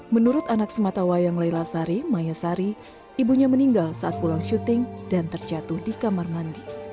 menurut anak sematawayang layla sari maya sari ibunya meninggal saat pulang syuting dan terjatuh di kamar mandi